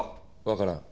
わからん。